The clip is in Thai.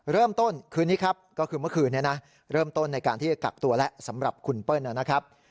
เริ่มต้นคืนนี้ครับก็คือเมื่อคืนนี้นะเริ่มต้นในการที่จะกักตัวแล้วสำหรับคุณเปิ้ลนะครับ